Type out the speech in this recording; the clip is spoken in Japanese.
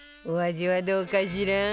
お味はどうかしら？